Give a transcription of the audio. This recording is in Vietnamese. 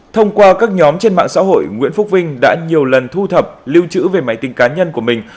thông qua các nhóm trên mạng xã hội nguyễn phúc vinh đã nhiều lần thu thập lưu trữ về máy tính cá nhân của mình